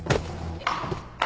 えっ？